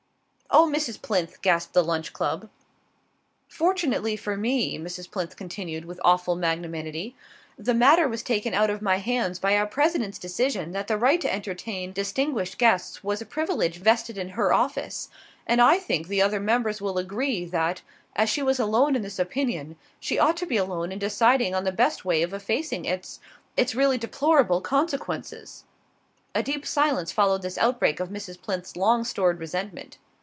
"Oh, Mrs. Plinth " gasped the Lunch Club. "Fortunately for me," Mrs. Plinth continued with an awful magnanimity, "the matter was taken out of my hands by our President's decision that the right to entertain distinguished guests was a privilege vested in her office; and I think the other members will agree that, as she was alone in this opinion, she ought to be alone in deciding on the best way of effacing its its really deplorable consequences." A deep silence followed this outbreak of Mrs. Plinth's long stored resentment.